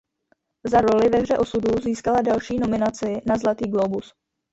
Za roli ve "Hře osudu" získala další nominaci na Zlatý glóbus.